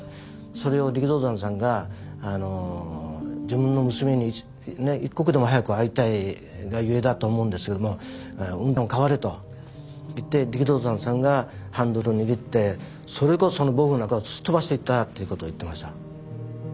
それを力道山さんが自分の娘に一刻でも早く会いたいがゆえだと思うんですけども運転を代われと言って力道山さんがハンドルを握ってそれこそその暴風雨の中をすっ飛ばしていったっていうことを言ってました。